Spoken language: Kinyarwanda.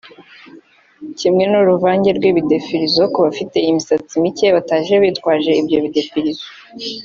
kimwe n’uruvange rw’ibidefirizo ku bafite imisatsi mike bataje bitwaje ibyabo bidefirizo